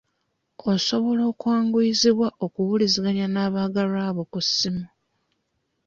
Osobola okwanguyizibwa okuwuliziganya n'abaagalwabo ku ssimu.